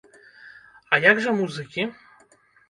А як жа музыкі?